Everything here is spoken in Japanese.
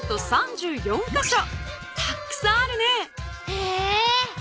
へえ。